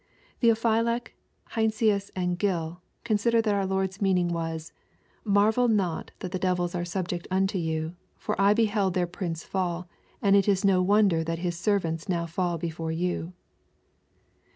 Theophylact, Heinsius, and Gill, consider that our Lord's mean ing was :" Marvel not that the devils are subject unto you, for I beheld their prince fall, and it is no wonder that his servants now &11 before you."